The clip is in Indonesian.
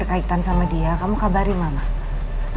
kayaknya coba cloves harus bacain lah